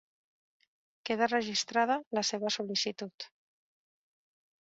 Queda registrada la seva sol·licitud.